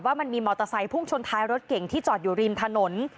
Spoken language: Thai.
มันมีมอเตอร์ไซค์พุ่งชนท้ายรถเก่งที่จอดอยู่ริมถนน